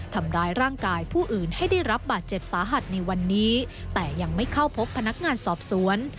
ทำร้ายร่างกายผู้อื่นให้ได้รับบาดเจ็บสาหัสในวันนี้แต่ยังไม่เข้าพบพนักงานสอบสวน